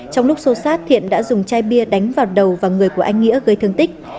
trong lúc xô xát thiện đã dùng chai bia đánh vào đầu và người của anh nghĩa gây thương tích